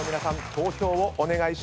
投票をお願いします。